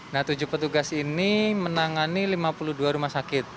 nah tujuh petugas ini menangani lima puluh dua rumah sakit